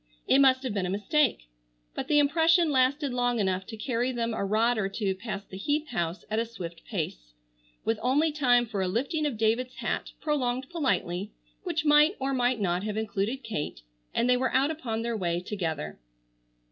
It must have been a mistake. But the impression lasted long enough to carry them a rod or two past the Heath house at a swift pace, with only time for a lifting of David's hat, prolonged politely,—which might or might not have included Kate, and they were out upon their way together.